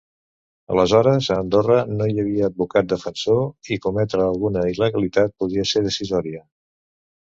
Aleshores a Andorra no hi havia advocat defensor i cometre alguna il·legalitat podia ser decisòria.